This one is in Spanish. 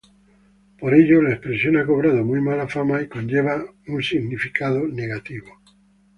Por ello la expresión ha cobrado muy mala fama y conlleva una significación negativa.